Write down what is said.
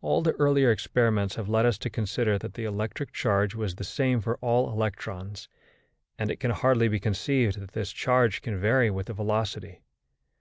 All the earlier experiments have led us to consider that the electric charge was the same for all electrons, and it can hardly be conceived that this charge can vary with the velocity.